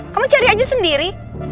kamu cari aja sendiri